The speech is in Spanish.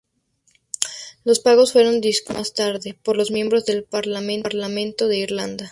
Los pagos fueron discutidos más tarde por los miembros del Parlamento de Irlanda.